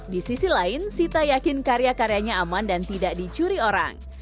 di sisi lain sita yakin karya karyanya aman dan tidak dicuri orang